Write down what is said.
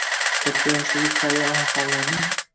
Katta yoshdagi qariya onaxonlarning